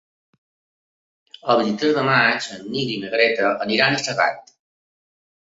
El vint-i-tres de maig en Nil i na Greta aniran a Segart.